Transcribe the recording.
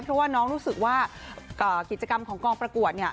เพราะว่าน้องรู้สึกว่ากิจกรรมของกองประกวดเนี่ย